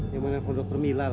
kemana kondok permilalah